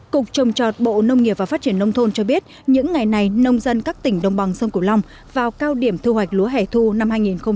cục trồng trọt bộ nông nghiệp và phát triển nông thôn cho biết những ngày này nông dân các tỉnh đồng bằng sông cửu long vào cao điểm thu hoạch lúa hẻ thu năm hai nghìn hai mươi